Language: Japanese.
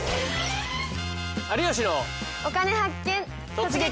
「突撃！